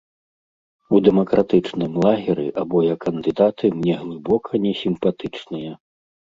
У дэмакратычным лагеры абое кандыдаты мне глыбока несімпатычныя.